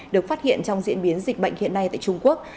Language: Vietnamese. được phát hiện trong diễn biến dịch bệnh hiện nay tại trung quốc